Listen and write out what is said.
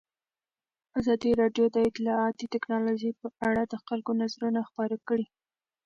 ازادي راډیو د اطلاعاتی تکنالوژي په اړه د خلکو نظرونه خپاره کړي.